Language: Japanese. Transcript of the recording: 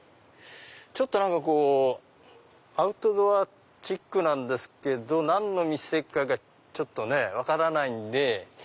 ちょっとアウトドアチックなんですけど何の店かが分からないんで。